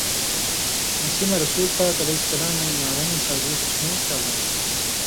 اسی مہ رسولِ پاک علیہ سلامَیں مارَیں سازش ہُم ٹل آن٘سیۡ۔